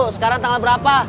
sekarang tanggal berapa